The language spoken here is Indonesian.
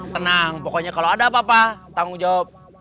tenang pokoknya kalau ada apa apa tanggung jawab